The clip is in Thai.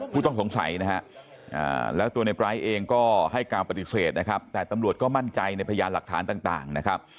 ผู้ต้องสงสัยนะฮะแล้วตัวในปลายเองก็ให้การปฏิเสธนะครับแต่ตำรวจก็มั่นใจในพยานหลักฐานต่างนะครับ